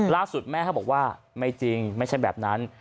แม่เขาบอกว่าไม่จริงไม่ใช่แบบนั้น